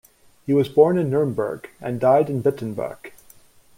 He was born in Nuremberg and died at Wittenberg.